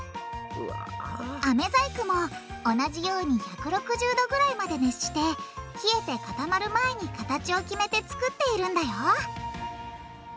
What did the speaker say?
アメ細工も同じように１６０℃ぐらいまで熱して冷えて固まる前に形を決めてつくっているんだよ